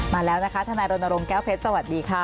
มาแล้วนะคะทนายรณรงค์แก้วเพชรสวัสดีค่ะ